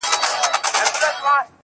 کاکل = زلف، وربل، څڼې